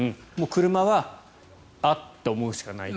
車はあっと思うしかない。